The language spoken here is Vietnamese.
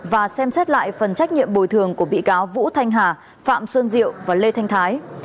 và xem xét lại phần trách nhiệm bồi thường của bị cáo vũ thanh hà phạm xuân diệu và lê thanh thái